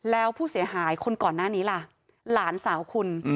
แล้วผู้เสียหายคนก่อนหน้านี้ล่ะหลานสาวคุณ